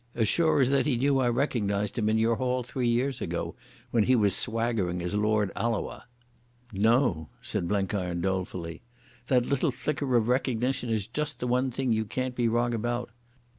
As sure as that he knew I recognised him in your hall three years ago when he was swaggering as Lord Alloa." "No," said Blenkiron dolefully, "that little flicker of recognition is just the one thing you can't be wrong about.